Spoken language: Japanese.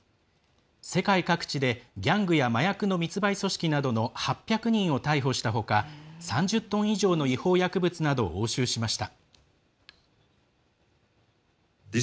世界各地でギャングや麻薬の密売組織などの８００人を逮捕したほか３０トン以上の違法薬物などを押収しました。